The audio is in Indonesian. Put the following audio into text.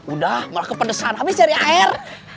udah malah kepedesan habis dari air